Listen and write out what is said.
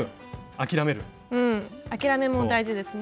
諦めも大事ですね。